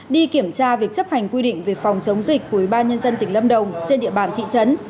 đi kiểm tra việc chấp hành quy định về phòng chống dịch của ủy ban nhân dân tỉnh lâm đồng trên địa bàn thị trấn